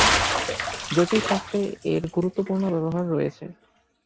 জ্যোতিষ শাস্ত্রে এর গুরুত্বপূর্ণ ব্যবহার রয়েছে।